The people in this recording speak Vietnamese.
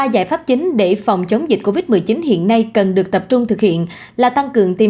ba giải pháp chính để phòng chống dịch covid một mươi chín hiện nay cần được tập trung thực hiện là tăng cường tiêm